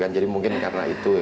jadi mungkin karena itu